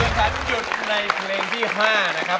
คุณค่ะหยุดในเพลงที่ห้านะครับ